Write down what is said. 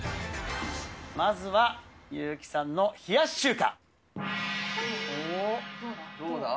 まずは、優木さんの冷やし中どうだ？